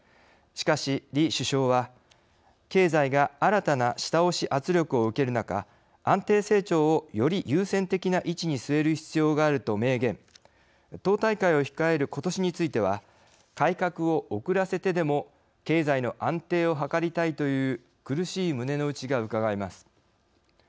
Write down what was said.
しかし、李首相は「経済が新たな下押し圧力を受ける中、安定成長をより優先的な位置に据える必要がある」と明言党大会を控えることしについては改革を遅らせてでも経済の安定を図りたいという苦しい胸の内がうかがえます。